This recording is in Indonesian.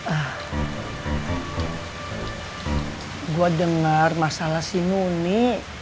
ah gue dengar masalah si muni